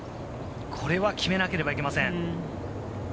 これは決めなければいけません。